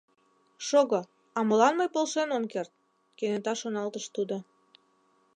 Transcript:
«Шого, а молан мый полшен ом керт? — кенета шоналтыш тудо.